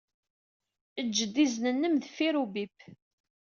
Eǧǧ-d izen-nnem deffir ubip.